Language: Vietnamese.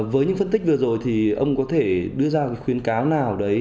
với những phân tích vừa rồi thì ông có thể đưa ra khuyến cáo nào đấy